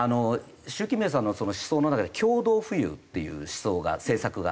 習近平さんの思想の中で共同富裕っていう思想が政策があって。